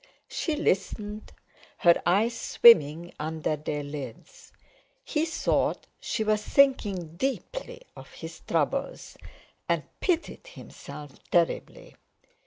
She listened, her eyes swimming under their lids. He thought she was thinking deeply of his troubles, and pitied himself terribly.